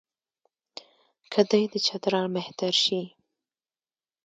که دی د چترال مهتر شي.